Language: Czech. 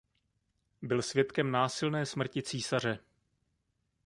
Byl svědkem násilné smrti císaře.